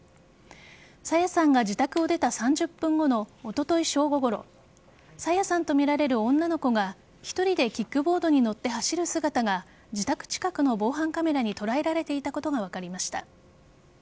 朝芽さんが自宅を出た３０分後のおととい正午ごろ朝芽さんとみられる女の子が１人でキックボードに乗って走る姿が自宅近くの防犯カメラに捉えられていたことが分かりました。